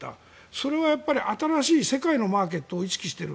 それは新しい世界のマーケットを意識している。